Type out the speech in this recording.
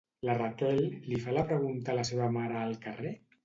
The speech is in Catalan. La Raquel li fa la pregunta a la seva mare al carrer?